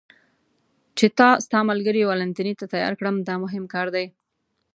چې تا ستا ملګري والنتیني ته تیار کړم، دا مهم کار دی.